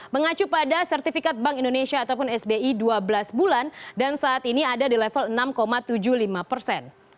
mengacu pada sertifikat bank indonesia ataupun sbi dua belas bulan dan saat ini ada di level enam tujuh puluh lima persen